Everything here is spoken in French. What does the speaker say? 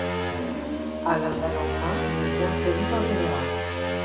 Alain Valentin devient président général.